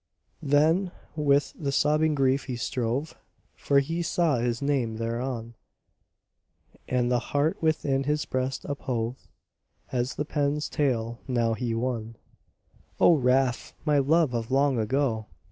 Then with the sobbing grief he strove, For he saw his name thereon; And the heart within his breast uphove As the pen's tale now he won, "O Rafe, my love of long ago!